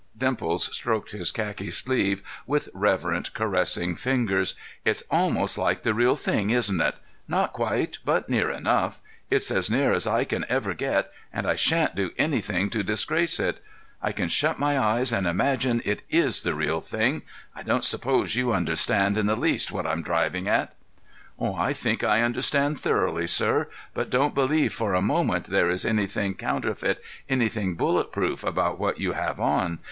Dimples stroked his khaki sleeve with reverent, caressing fingers. "It's almost like the real thing, isn't it? Not quite, but near enough. It's as near as I can ever get, and I sha'n't do anything to disgrace it. I can shut my eyes and imagine it is the real thing. I don't suppose you understand in the least what I'm driving at—" "I think I understand thoroughly, sir. But don't believe for a moment there is anything counterfeit, anything bullet proof, about what you have on.